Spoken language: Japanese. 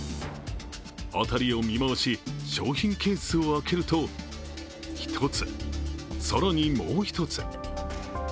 辺りを見回し、商品ケースを開けると、１つ、さらにもう１つ。